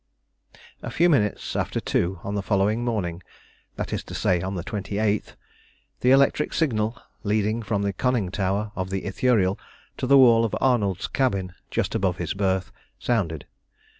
A few minutes after two on the following morning, that is to say on the 28th, the electric signal leading from the conning tower of the Ithuriel to the wall of Arnold's cabin, just above his berth, sounded.